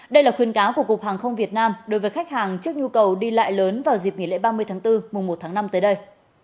đây là khuyến cáo của cục hàng không việt nam đối với khách hàng trước nhu cầu đi lại lớn vào dịp nghỉ lễ ba mươi tháng bốn mùa một tháng năm tới đây